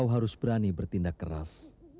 harus berani bertindak keras